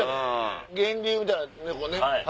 源流みたいなとこね。